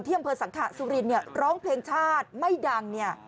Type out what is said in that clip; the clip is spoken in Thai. ที่อำเภอสังขาสุรินทร์ร้องเพลงชาติไม่ดัง